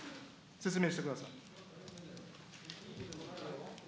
説明してください。